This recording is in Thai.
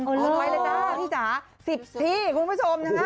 ไปเลยนะพี่จ๋า๑๐ที่คุณผู้ชมนะคะ